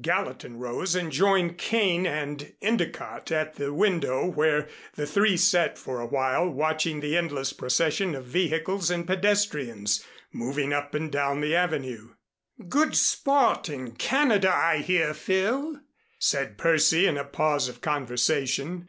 Gallatin rose and joined Kane and Endicott at the window, where the three sat for awhile watching the endless procession of vehicles and pedestrians moving up and down the Avenue. "Good sport in Canada, I hear, Phil," said Percy in a pause of conversation.